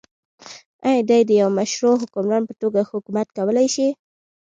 آیا دی د يوه مشروع حکمران په توګه حکومت کولای شي؟